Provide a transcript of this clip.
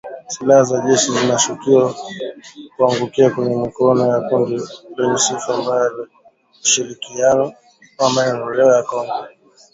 Silaha za jeshi zinashukiwa kuangukia kwenye mikono ya kundi lenye sifa mbaya la Ushirikiano wa Maendeleo ya Kongo.